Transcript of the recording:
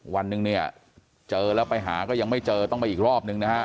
วันหนึ่งเนี่ยเจอแล้วไปหาก็ยังไม่เจอต้องไปอีกรอบนึงนะฮะ